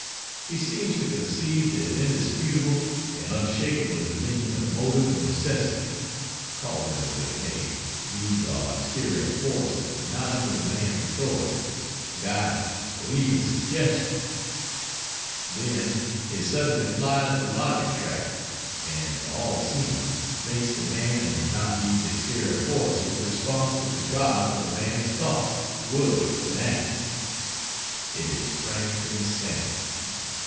He seems to concede the indisputable and unshakable dominion of Motive and Necessity (call them what he may, these are exterior forces and not under the man's authority, guidance or even suggestion) then he suddenly flies the logic track and (to all seeming) makes the man and not these exterior forces responsible to God for the man's thoughts, words and acts. It is frank insanity.